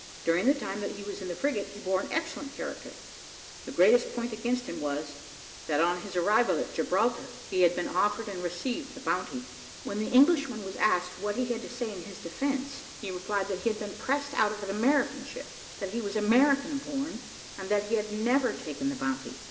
During the time that he was in the frigate, he bore an excellent character. The greatest point against him was, that on his arrival at Gibraltar, he had been offered and had received the bounty. When the Englishman was asked what he had to say in his defence, he replied that he had been pressed out of an American ship, that he was American born, and that he had never taken the bounty.